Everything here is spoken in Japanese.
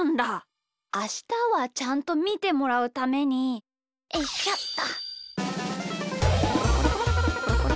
あしたはちゃんとみてもらうためにおいしょっと。